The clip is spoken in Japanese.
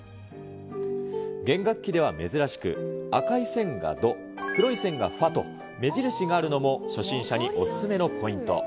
弦楽器では珍しく、赤い線がド、黒い線がファと、目印があるのも初心者にお勧めのポイント。